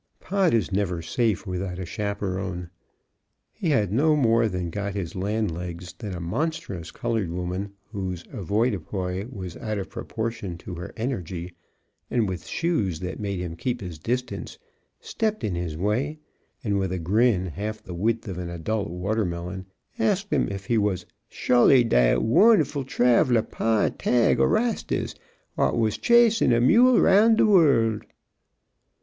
Pod is never safe without a chaperone. He had no more than got his land legs than a monstrous colored woman, whose avoirdupois was out of proportion to her energy, and with shoes that made him keep his distance, stepped in his way, and with a grin half the width of an adult watermelon asked him if he was "shully dat wonderful traveler Pye tag o rastus w'at was chasin' a mule roun de world."